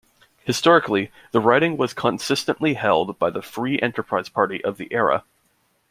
Historically, the riding was consistently held by the "free enterprise" party of the era.